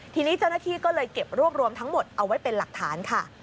ทีนี้เจ้าหน้าที่ก็เลยเก็บรวบรวมทั้งหมดเอาไว้เป็นหลักฐานค่ะ